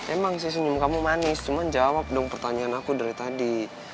emang sih senyum kamu manis cuma jawab dong pertanyaan aku dari tadi